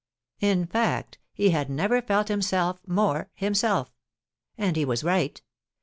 In fact, he had never felt himself more himself. And he was right.